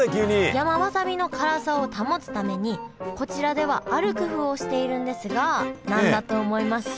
山わさびの辛さを保つためにこちらではある工夫をしているんですが何だと思いますか？